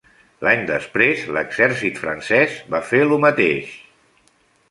L'any després, l'exèrcit francès va fer-lo mateix.